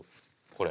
これ。